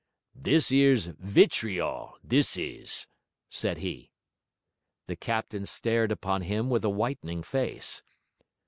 'This 'ere's vitriol, this is,' said he. The captain stared upon him with a whitening face.